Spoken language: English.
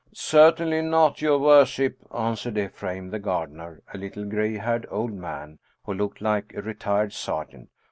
" Certainly not, your worship !" answered Ephraim, the gardener, a little gray haired old man, who looked like a retired sergeant.